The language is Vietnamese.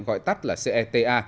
gọi tắt là ceta